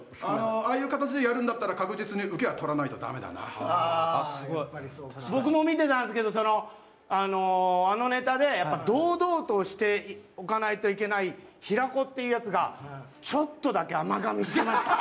ああいう形でやるんだったら確実に僕も見てたんですけどあのネタで堂々としておかないといけない平子ってやつがちょっとだけ甘がみしました。